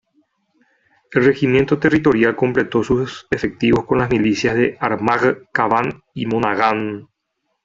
El regimiento territorial completó sus efectivos con las milicias de Armagh, Cavan y Monaghan.